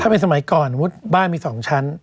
เป็นสมัยก่อนบ้านมี๒ชั้น